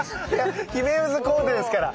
ヒメウズコーデですから。